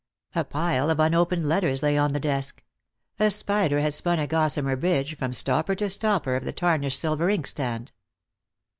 A pile of unopened letters lay on the desk : a spider had spun a gos samer bridge from stopper to stopper of the tarnished silver inkstand.